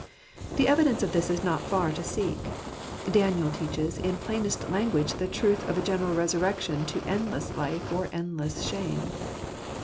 The evidence of this is not far to seek. Daniel teaches in 'plainest language the truth of a general resurrection to endless life or endless shame.